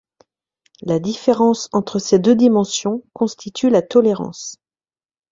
La différence entre ces deux dimensions constitue la tolérance.